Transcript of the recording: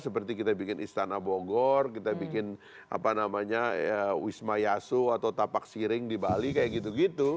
seperti kita bikin istana bogor kita bikin apa namanya wisma yasu atau tapak siring di bali kayak gitu gitu